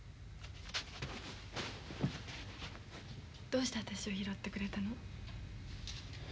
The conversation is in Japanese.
どうして私を拾ってくれたの？